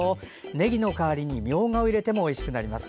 ねぎの代わりにみょうがを入れてもおいしいです。